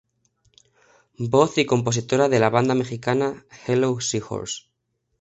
Voz y compositora de la banda mexicana Hello Seahorse!.